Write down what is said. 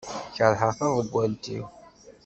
Kerheɣ taḍeggalt-iw.